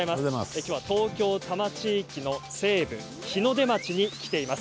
きょうは東京多摩地域の西部、日の出町に来ています。